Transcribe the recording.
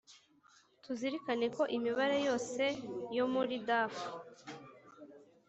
Tuzirikane ko imibare yose yo muri dafu